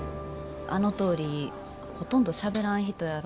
あのとおりほとんどしゃべらん人やろ。